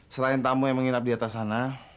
serahin tamu yang menginap di atas sirupnya